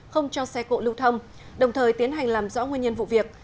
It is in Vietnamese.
không cho xe cộ lưu thông đồng thời tiến hành làm rõ nguyên nhân vụ việc